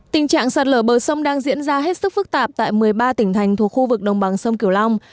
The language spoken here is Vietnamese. tình trạng sạt lở bờ sông đang diễn ra hết sức phức tạp tại một mươi ba tỉnh thành thuộc khu vực đồng bằng sông kiều long